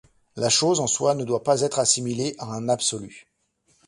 La chose en soi ne doit pas être assimilée à un Absolu.